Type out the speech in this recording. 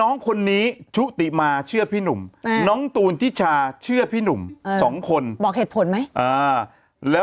สองคนบอกเหตุผลไหมอ่า